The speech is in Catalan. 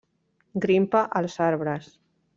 Grimpa als arbres.